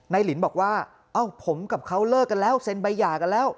ลินบอกว่าเอ้าผมกับเขาเลิกกันแล้วเซ็นใบหย่ากันแล้ว